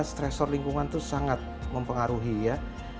stresor lingkungan itu sangat mempengaruhi ya